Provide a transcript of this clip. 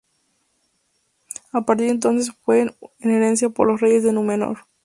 A partir de entonces fue en herencia por los reyes de Númenor.